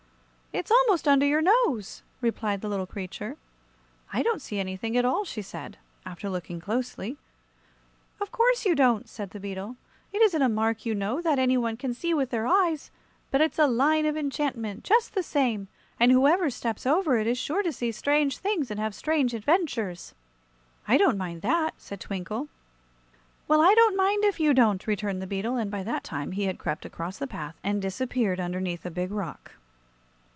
"It's almost under your nose," replied the little creature. "I don't see anything at all," she said, after looking closely. "Of course you don't," said the beetle. "It isn't a mark, you know, that any one can see with their eyes; but it's a line of enchantment, just the same, and whoever steps over it is sure to see strange things and have strange adventures." "I don't mind that," said Twinkle. "Well, I don't mind if you don't," returned the beetle, and by that time he had crept across the path and disappeared underneath a big rock.